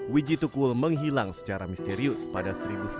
wijitukul menghilang secara misterius pada seribu sembilan ratus sembilan puluh